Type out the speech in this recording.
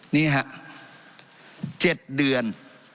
นี่ฮะ๗เดือน